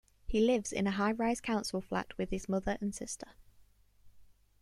He lives in a high rise council flat with his mother and sister.